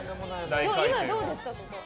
今はどうですか？